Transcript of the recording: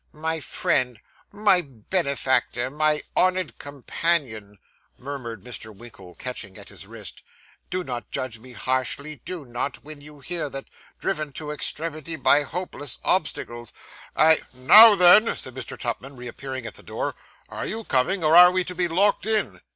'My friend, my benefactor, my honoured companion,' murmured Mr. Winkle, catching at his wrist. 'Do not judge me harshly; do not, when you hear that, driven to extremity by hopeless obstacles, I ' 'Now then,' said Mr. Tupman, reappearing at the door. 'Are you coming, or are we to be locked in?